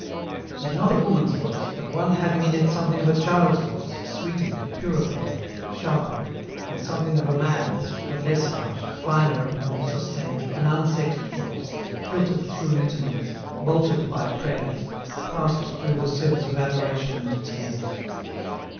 It was not a woman's voice, but one having in it something of a child's voice, sweetened, purified, sharpened, and something of a man's, but less harsh, finer and more sustained, an unsexed voice, filtered through litanies, bolted by prayers, passed through the sieves of adoration and tears.